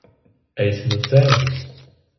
Eis malsauns?